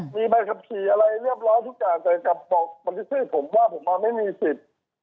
มีใบขับขี่อะไรเรียบร้อยทุกอย่างแต่กลับบอกบันทึกชื่อผมว่าผมมาไม่มีสิทธิ์